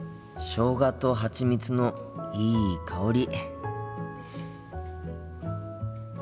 しょうがとハチミツのいい香り。